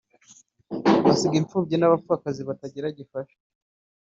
basiga imfubyi nabapfakazi batagira gifasha